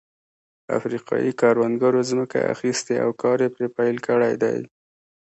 افریقايي کروندګرو ځمکه اخیستې او کار یې پرې پیل کړی دی.